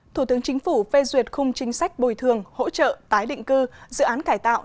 thủ tướng chính phủ phê duyệt khung chính sách bồi thường hỗ trợ tái định cư dự án cải tạo